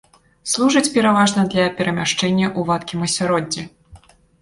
Служаць пераважна для перамяшчэння ў вадкім асяроддзі.